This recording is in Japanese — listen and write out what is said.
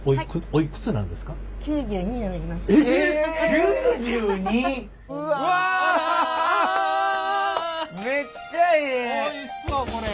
おいしそうこれ。